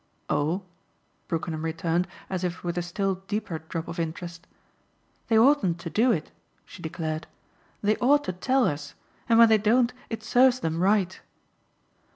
"Oh!" Brookenham returned as if with a still deeper drop of interest. "They oughtn't to do it," she declared; "they ought to tell us, and when they don't it serves them right."